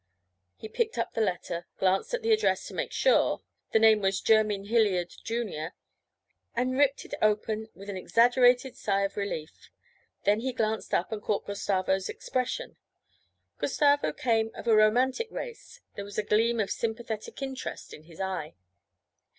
He picked up the letter, glanced at the address to make sure the name was Jerymn Hilliard, Jr. and ripped it open with an exaggerated sigh of relief. Then he glanced up and caught Gustavo's expression. Gustavo came of a romantic race; there was a gleam of sympathetic interest in his eye.